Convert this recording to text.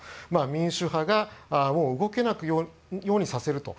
民主派が動けなくなるようにさせると。